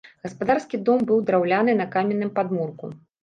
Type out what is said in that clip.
Гаспадарскі дом быў драўляны, на каменным падмурку.